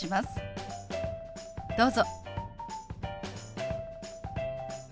どうぞ。